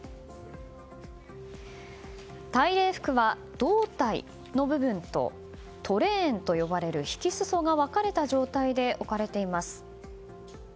大礼服は胴体の部分とトレーンと呼ばれる引き裾が分かれた状態で置かれています。